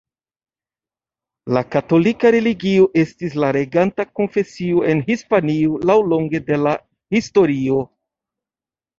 La katolika religio estis la reganta konfesio en Hispanio laŭlonge de la historio.